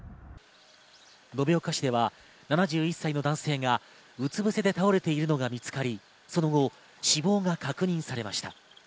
延岡市では７１歳の男性がうつ伏せで倒れているのが見つかり、その後、死亡が確認されました。